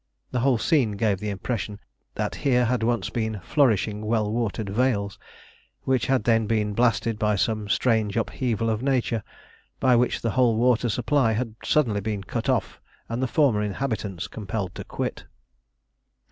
The whole scene gave the impression that here had once been flourishing well watered vales, which had then been blasted by some strange upheaval of nature, by which the whole water supply had suddenly been cut off and the former inhabitants compelled to quit.